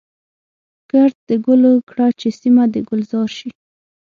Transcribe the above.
کرد د ګلو کړه چي سیمه د ګلزار شي.